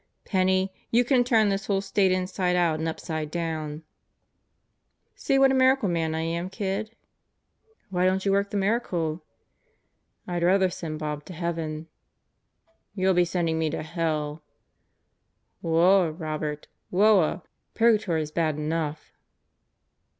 Penney, you can turn this whole State inside out and upside down," "See what a miracle man I am, kid?" "Why don't you work the miracle?" "I'd rather send Bob to heaven." "You'll be sending me to hell " "Whoa, Robert! Whoa! Purgatory's bad enough."